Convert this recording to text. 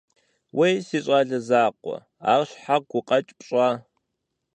Уей, си щӀалэ закъуэ, ар щхьэ гукъэкӀ пщӀа?